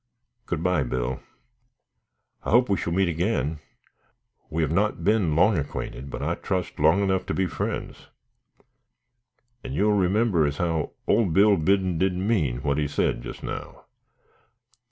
"Good by, Bill, I hope we shall meet again. We have not been long acquainted, but I trust long enough to be friends." "And you'll remember as how ole Bill Biddon didn't mean what he said just now."